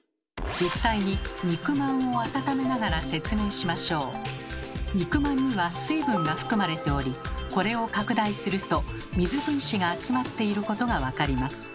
実際に肉まんには水分が含まれておりこれを拡大すると水分子が集まっていることが分かります。